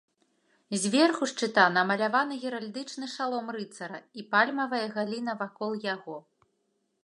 Зверху шчыта намаляваны геральдычны шалом рыцара і пальмавая галіна вакол яго.